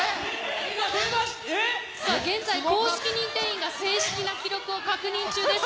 公式認定員が正式な記録を確認中です。